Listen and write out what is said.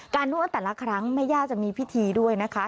นวดแต่ละครั้งแม่ย่าจะมีพิธีด้วยนะคะ